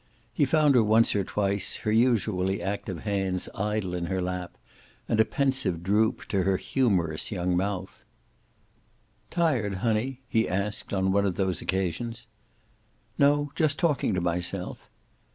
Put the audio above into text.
He found her once or twice, her usually active hands idle in her lap, and a pensive droop to her humorous young mouth. "Tired, honey?" he asked, on one of those occasions. "No. Just talking to myself."